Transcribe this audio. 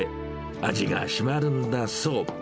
味が締まるんだそう。